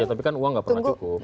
tapi kan uang nggak pernah cukup